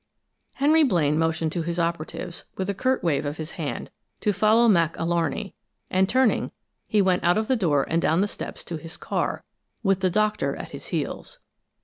Henry Blaine motioned to his operatives, with a curt wave of his hand, to follow Mac Alarney, and turning, he went out of the door and down the steps to his car, with the Doctor at his heels.